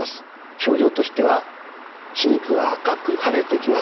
症状としては歯肉が赤く腫れてきます。